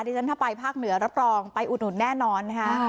ที่ฉันถ้าไปภาคเหนือรับรองไปอุดหนุนแน่นอนนะคะ